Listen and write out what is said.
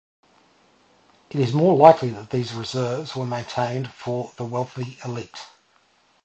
It is more likely that these reserves were maintained for the wealthy elite.